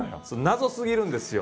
謎すぎるんですよ。